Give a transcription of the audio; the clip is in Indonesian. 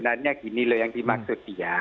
sebenarnya gini loh yang dimaksud dia